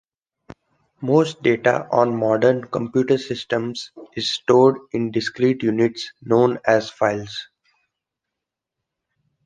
Most data on modern computer systems is stored in discrete units, known as files.